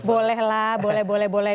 bolehlah boleh boleh boleh